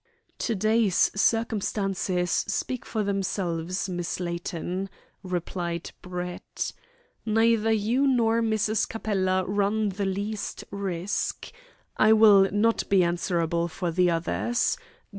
"To day's circumstances speak for themselves, Miss Layton," replied Brett. "Neither you nor Mrs. Capella run the least risk. I will not be answerable for the others.